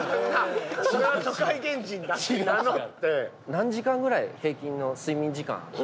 何時間ぐらい平均の睡眠時間。